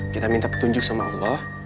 kita minta petunjuk sama allah